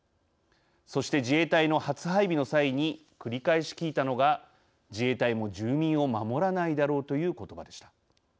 そして、自衛隊の初配備の際に繰り返し聞いたのが自衛隊も住民を守らないだろうということばでした。